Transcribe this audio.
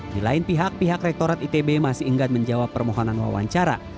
di lain pihak pihak rektorat itb masih ingat menjawab permohonan wawancara